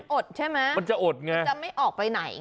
มันอดใช่ไหมมันจะไม่ออกไปไหนมันจะอดไง